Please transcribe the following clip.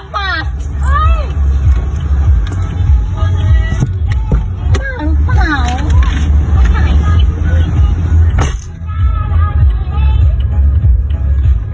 พี่มันไม่ทำฝัด